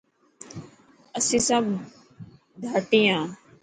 اسين سب ڌاٽي هان.